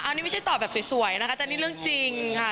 อันนี้ไม่ใช่ตอบแบบสวยนะคะแต่นี่เรื่องจริงค่ะ